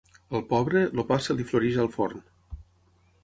Al pobre, el pa se li floreix al forn.